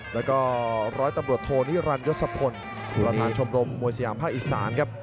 แล้วก็ร้อยตำรวจโทนิรันยศพลประธานชมรมมวยสยามภาคอีสานครับ